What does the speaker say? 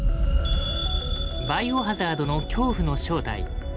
「バイオハザード」の恐怖の正体。